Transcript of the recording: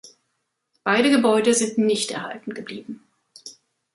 Beide Gebäude sind nicht erhalten geblieben.